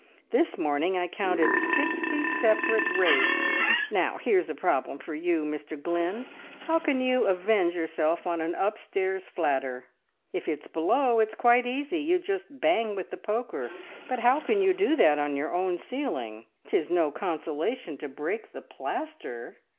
This morning I counted sixty separate rakes! Now, here's a problem for you, Mr Glynn How can you avenge yourself on an upstairs flatter? If it's below: it's quite easy you just bang with the poker; but how can you do that on your own ceiling? 'Tis no consolation to break the plaster!"